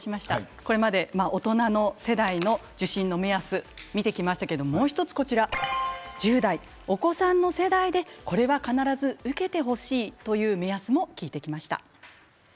これまで大人世代の受診の目安を見ていきましたがもう１つ、１０代お子さんの世代でこれは必ず受けてほしいという目安も聞いていきました。